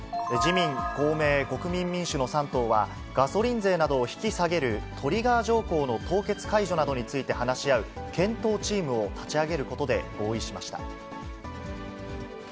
自民、公明、国民民主の３党は、ガソリン税などを引き下げるトリガー条項の凍結解除などについて話し合う、検討チームを立ち上げることで合意しました。